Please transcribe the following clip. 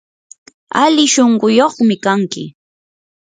ali shunquyuqmi kanki.